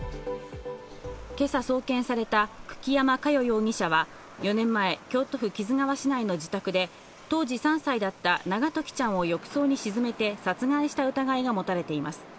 今朝送検された久木山佳代容疑者は４年前、京都府木津川市内の自宅で当時３歳だった永時ちゃんを浴槽に沈めて殺害した疑いが持たれています。